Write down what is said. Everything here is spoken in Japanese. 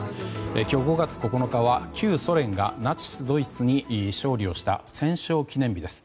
今日、５月９日は旧ソ連がナチスドイツに勝利をした戦勝記念日です。